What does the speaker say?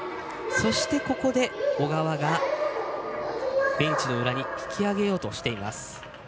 そしてここで小川がベンチの裏に引き揚げようとしています。